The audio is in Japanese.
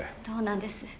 どうなんです？